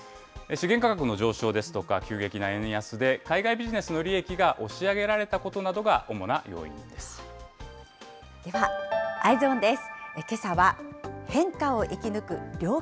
資源価格の上昇ですとか、急激な円安で海外ビジネスの利益が押し上げられたことなどが主なではＥｙｅｓｏｎです。